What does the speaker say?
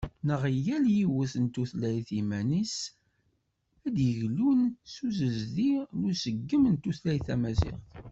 Neɣ yal yiwet d tutlayt iman-s ad d-yeglun s usezdi d useggem n tutlayt Tamaziɣt.